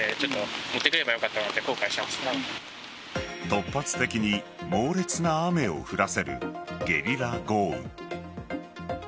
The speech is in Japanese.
突発的に猛烈な雨を降らせるゲリラ豪雨。